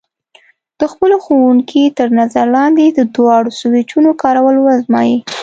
د خپلو ښوونکي تر نظر لاندې د دواړو سویچونو کارول وازموئ.